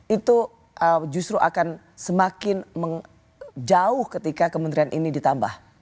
itu justru akan semakin jauh ketika kementerian ini ditambah